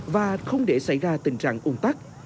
và không để xảy ra tình trạng ung tắc